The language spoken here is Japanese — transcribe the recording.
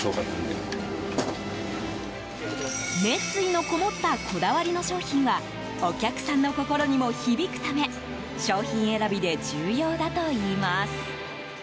熱意のこもったこだわりの商品はお客さんの心にも響くため商品選びで重要だといいます。